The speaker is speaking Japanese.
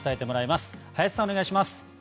お願いします。